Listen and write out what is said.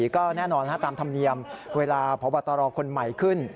ก็แน่นอนตามธรรมเนียมเวลาพบตรคนใหม่ขึ้น